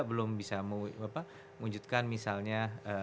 belum bisa mewujudkan misalnya